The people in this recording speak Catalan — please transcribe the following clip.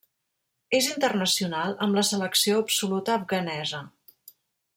És internacional amb la selecció absoluta afganesa.